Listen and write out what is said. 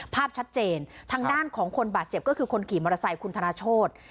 ภาพชัดเจนทางด้านของคนบาดเจ็บก็คือคนขี่มอเตอร์ไซค์คุณธนโชธ